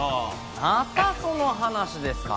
またその話ですか。